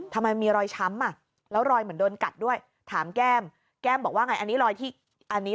ทำไมมีรอยช้ำอ่ะแล้วรอยเหมือนโดนกัดด้วยถามแก้มแก้มบอกว่าไงอันนี้รอยที่อันนี้